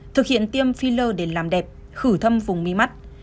thực hiện tiêm filler để làm đẹp khử thâm vùng mi mắt